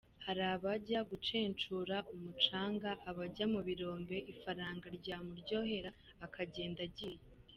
Hari abajya gucencura umucanga, abajya mu birombe, ifaranga ryamuryohera, akagenda agiye.